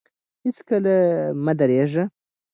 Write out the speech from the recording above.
هېڅکله مه درېږئ.